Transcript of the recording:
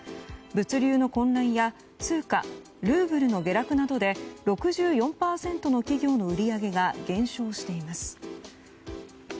物流の混乱や通貨ルーブルの下落などで６４％の企業の売り上げが減少しています。